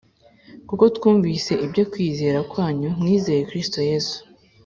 kuko twumvise ibyo kwizera kwanyu mwizeye Kristo Yesu